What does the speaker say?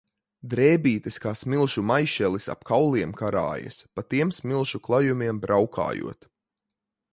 Drēbītes kā smilšu maišelis ap kauliem karājas, pa tiem smilšu klajumiem braukājot.